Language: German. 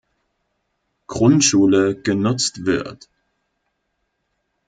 Grundschule genutzt wird.